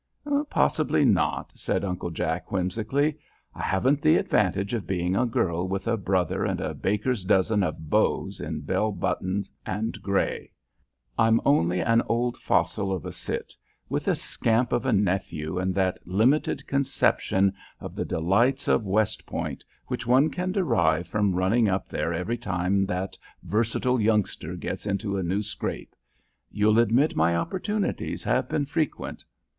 "Possibly not," says Uncle Jack, whimsically. "I haven't the advantage of being a girl with a brother and a baker's dozen of beaux in bell buttons and gray. I'm only an old fossil of a 'cit,' with a scamp of a nephew and that limited conception of the delights of West Point which one can derive from running up there every time that versatile youngster gets into a new scrape. You'll admit my opportunities have been frequent."